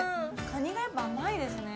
かにがやっぱり甘いですね。